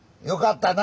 よかった！